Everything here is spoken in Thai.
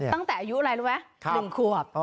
ตั้งแต่อายุอะไรรู้ไหม๑ขวบ